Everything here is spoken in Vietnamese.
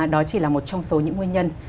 đó chỉ là một trong số những nguyên nhân